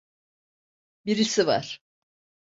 Birisi var.